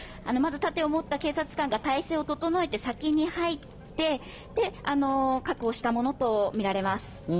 まず盾を持った警察官が体制を整えて先に入って確保したものとみられます。